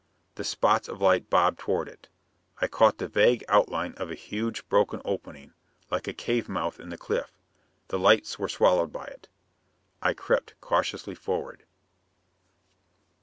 The spots of light bobbed toward it. I caught the vague outline of a huge broken opening, like a cave mouth in the cliff. The lights were swallowed by it. I crept cautiously forward.